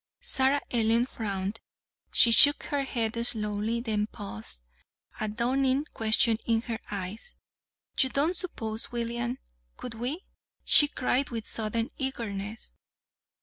Sarah Ellen frowned. She shook her head slowly, then paused, a dawning question in her eyes. "You don't suppose William, could we?" she cried with sudden eagerness.